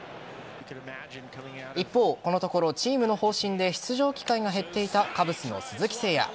一方、このところチームの方針で出場機会が減っていたカブスの鈴木誠也。